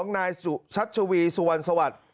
นายสุชัชวีสุวรรณสวัสดิ์